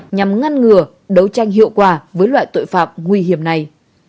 nhằm ngăn ngừa đấu tranh hiệu quả với loại tội phạm nguy hiểm này